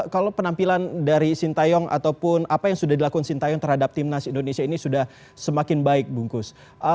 kalau penampilan dari sintayong ataupun apa yang sudah dilakukan sintayong terhadap timnas indonesia ini sudah semakin baik bungkus